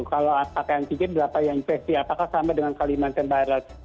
kalau pakai antigen berapa yang infeksi apakah sama dengan kalimantan barat